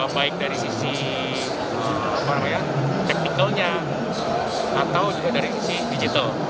baik dari sisi teknikalnya atau juga dari sisi digital